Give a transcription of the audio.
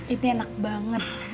ini enak banget